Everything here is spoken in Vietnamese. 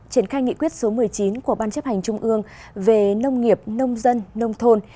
triển khai nghị quyết số một mươi chín của ban chấp hành trung ương về nông nghiệp nông dân nông thôn